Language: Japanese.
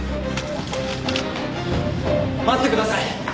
待ってください。